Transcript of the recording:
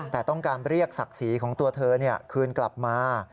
แต่ต้องการเรียกศักดิ์ศรีของตัวเธอคืนกลับมา